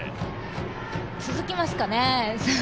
続きますかね。